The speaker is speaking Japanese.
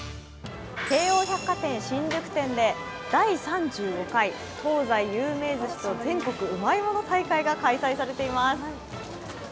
京王百貨店新宿店で第３５回東西有名寿司と全国うまいもの大会が開催されています。